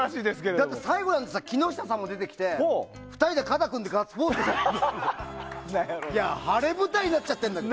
だって、最後木下さんも出てきて２人で肩組んでガッツポーズしてたんだから。